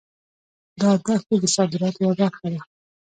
دا دښتې د صادراتو یوه برخه ده.